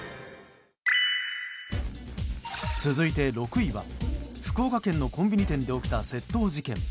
続いて６位は福岡県のコンビニ店で起きた窃盗事件。